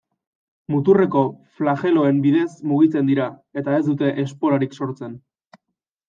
Muturreko flageloen bidez mugitzen dira eta ez dute esporarik sortzen.